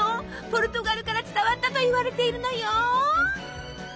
ポルトガルから伝わったといわれているのよ。